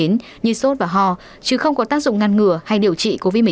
như sốt và ho chứ không có tác dụng ngăn ngừa hay điều trị covid một mươi chín